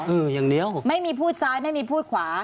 อืมอย่างเดียวไม่มีพูดซ้ายไม่มีพูดขวา